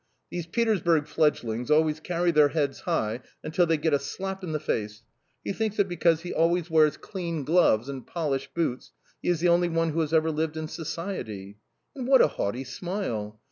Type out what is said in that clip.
These Petersburg fledglings always carry their heads high until they get a slap in the face! He thinks that because he always wears clean gloves and polished boots he is the only one who has ever lived in society. And what a haughty smile!